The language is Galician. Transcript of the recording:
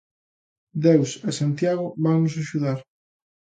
Deus e Santiago vannos axudar.